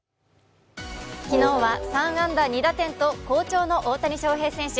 昨日は３安打２打点と好調の大谷選手。